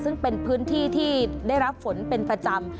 ซึ่งเป็นพื้นที่ที่ได้รับฝนเป็นประจำ